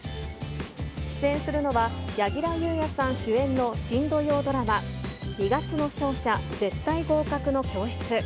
出演するのは柳楽優弥さん主演の新土曜ドラマ、二月の勝者・絶対合格の教室。